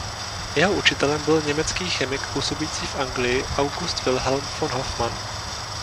Jeho učitelem byl německý chemik působící v Anglii August Wilhelm von Hofmann.